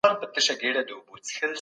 د صنعتي کيدلو لپاره ټولې هڅي ناکامه سوي.